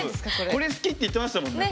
これ好きって言ってましたもんね